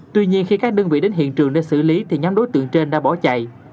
tuy nhiên khi các đơn vị đến hiện trường để xử lý thì nhóm đối tượng trên đã bỏ chạy